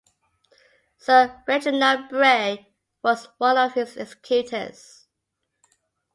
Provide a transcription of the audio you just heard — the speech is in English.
Sir Reginald Bray was one of his executors.